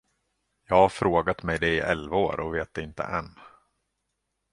Jag har frågat mig det i elva år och vet det inte än.